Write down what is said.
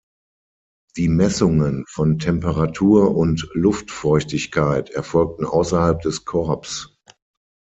Die Messungen von Temperatur und Luftfeuchtigkeit erfolgten außerhalb des Korbs.